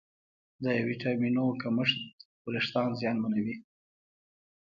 د ویټامینونو کمښت وېښتيان زیانمنوي.